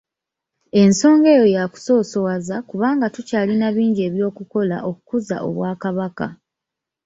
Ensonga eyo yakusoosowaza kubanga tukyalina bingi ebyokukola okukuza Obwakabaka.